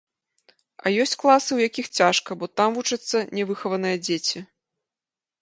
А ёсць класы, у якіх цяжка, бо там вучацца нявыхаваныя дзеці.